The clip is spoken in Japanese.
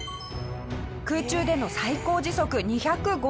空中での最高時速２５８キロ。